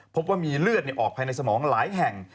พบว่ามีเลือดออกภายในสมองหลายแห่ง